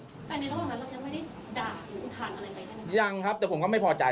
แต่ในโลกนั้นแล้วยังไม่ได้ด่าหรืออุทานอะไรไปใช่ไหม